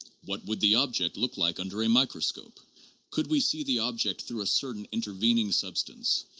"What would the object look like under a microscope? Could we see the object through a certain intervening substance